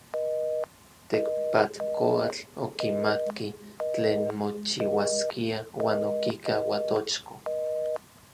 Tekpatkoatl okimatki tlen mochiuaskia uan okika Uatochko.